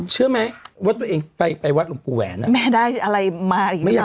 เชื่อไหมว่าตัวเองไปวัดหลวงปู่แหวนแม่ได้อะไรมาอีกไหม